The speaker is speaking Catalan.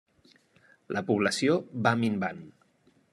La població va minvant.